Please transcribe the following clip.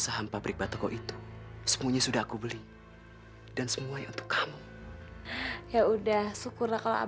kayaknya dipaparkan tieda terlebih lebih lebih lamanya nih om enggak gurau gurau tamu aja